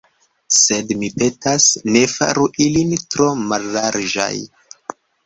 Sed, mi petas, ne faru ilin tro mallarĝaj.